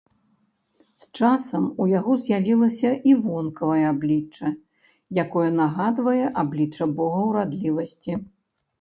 З часам у яго з'явілася і вонкавае аблічча, якое нагадвае аблічча бога ўрадлівасці.